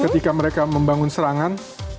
ketika mereka membangun serangan